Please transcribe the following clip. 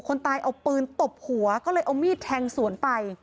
คนตายเอาปืนตบหัวก็เลยเอามีดแทงสวนไป